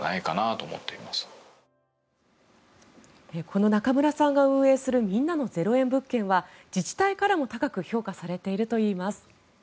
この中村さんが運営するみんなの０円物件は自治体からも高く評価されているといいます。